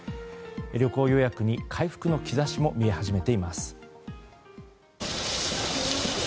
旅行予約に回復の兆しも見え始めています。